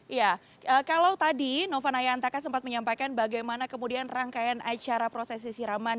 iya kalau tadi nova nayantaka sempat menyampaikan bagaimana kemudian rangkaian acara prosesi siraman